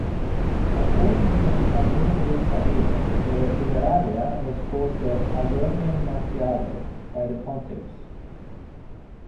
According to Masurius Sabinus, the Liberalia was called the "Agonium Martiale" by the pontiffs.